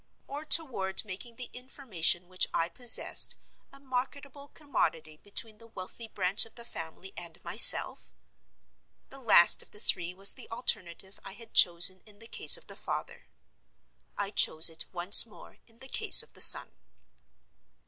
Or toward making the information which I possessed a marketable commodity between the wealthy branch of the family and myself? The last of the three was the alternative I had chosen in the case of the father. I chose it once more in the case of the son.